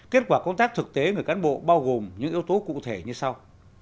kết quả công tác thực tế người cán bộ bao gồm những yếu tố cụ thể như sau